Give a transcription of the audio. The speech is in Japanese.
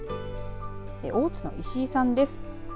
続いては大津の石井さんです。